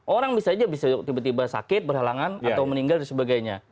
orang bisa aja bisa tiba tiba sakit berhalangan atau meninggal dan sebagainya